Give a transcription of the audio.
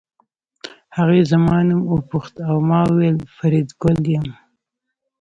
هغې زما نوم وپوښت او ما وویل فریدګل یم